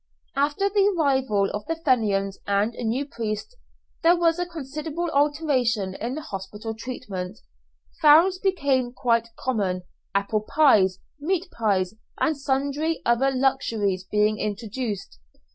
After the arrival of the Fenians and a new priest, there was a considerable alteration in the hospital treatment fowls became quite common, apple pies, meat pies, and sundry other luxuries being introduced.